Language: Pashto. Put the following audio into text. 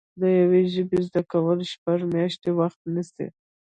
د یوې ژبې زده کول شپږ میاشتې وخت نیسي